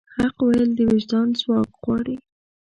حق ویل د وجدان ځواک غواړي.